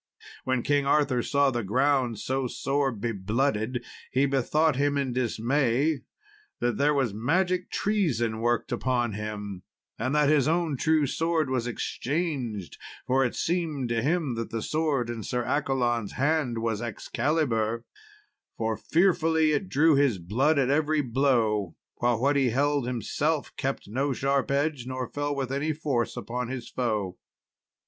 When King Arthur saw the ground so sore be blooded, he bethought him in dismay that there was magic treason worked upon him, and that his own true sword was changed, for it seemed to him that the sword in Sir Accolon's hand was Excalibur, for fearfully it drew his blood at every blow, while what he held himself kept no sharp edge, nor fell with any force upon his foe.